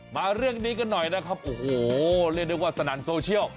มาเรื่องนี้กันหน่อยนะครับโอ้โหเรียกได้ว่าสนั่นโซเชียล